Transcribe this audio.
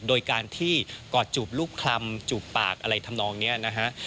โดยการที่กอดจูบรูปคลำจูบปากอะไรทำนองนี้นะฮะ